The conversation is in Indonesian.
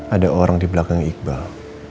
ada orang di belakang iqbal